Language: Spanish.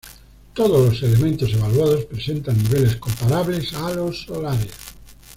Todos los elementos evaluados presentan niveles comparables a los solares.